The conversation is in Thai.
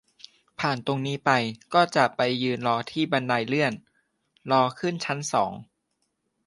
ผ่านตรงนี้ไปก็จะไปยืนรอที่บันไดเลื่อน รอขึ้นชั้นสอง